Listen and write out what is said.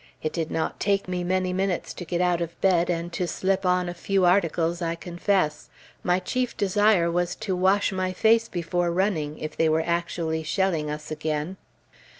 It did not take me many minutes to get out of bed, and to slip on a few articles, I confess. My chief desire was to wash my face before running, if they were actually shelling us again.